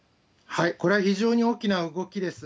これは非常に大きな動きです。